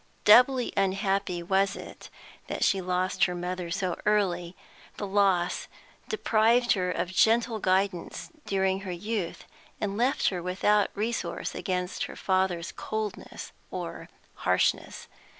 Doubly unhappy was it that she lost her mother so early; the loss deprived her of gentle guidance during her youth, and left her without resource against her father's coldness or harshness.